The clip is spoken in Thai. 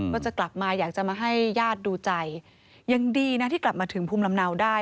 ก็จะกลับมาอยากจะมาให้ญาติดูใจยังดีนะที่กลับมาถึงภูมิลำเนาได้